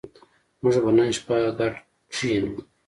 موږ به نن شپه ګډ کېنو